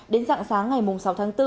đến dặn sáng ngày sáu tháng bốn